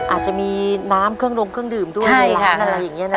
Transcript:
อาจจะมีน้ำเครื่องดงเครื่องดื่มด้วยในร้านอะไรอย่างนี้นะ